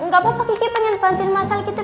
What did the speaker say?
gak papa kiki pengen bantuin mas al gitu